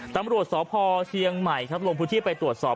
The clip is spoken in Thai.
ตำรวจสพเชียงใหม่ครับลงพื้นที่ไปตรวจสอบ